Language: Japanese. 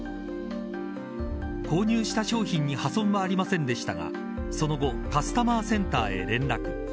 購入した商品に破損はありませんでしたがその後カスタマーセンターへ連絡。